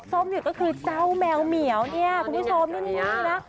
ส้มเนี่ยก็คือเจ้าแมวเหมียวเนี่ยคุณผู้ชมนี่นะ